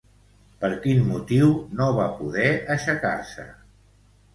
Per quin motiu no va poder aixecar-se?